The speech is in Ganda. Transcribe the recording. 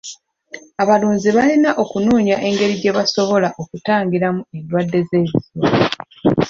Abalunzi balina okunoonya engeri gye basobola okutangiramu endwadde z'ebisolo.